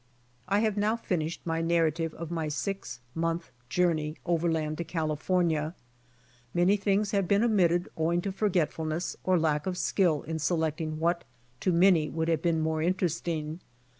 I have now finished my narrative of my six month journey overland to California. Many things have been omitted owing to forgetfulness, or lack of skill in selecting what to many would have been more interesting.